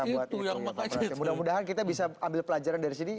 mudah mudahan kita bisa ambil pelajaran dari sini